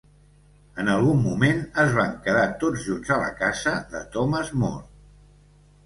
En algun moment, es van quedar tots junts a la casa de Thomas More.